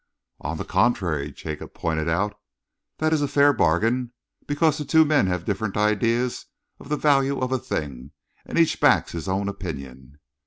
"On the contrary," Jacob pointed out, "that is a fair bargain, because the two men have different ideas of the value of a thing, and each backs his own opinion."